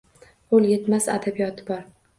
Qo’l yetmas adabiyoti bor